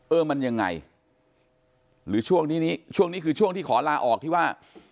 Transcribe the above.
เออมันยังไงหรือช่วงนี้ช่วงนี้คือช่วงที่ขอลาออกที่ว่า